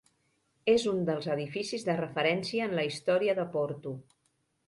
És un dels edificis de referència en la història de Porto.